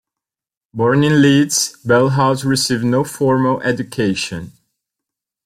Born in Leeds, Bellhouse received no formal education.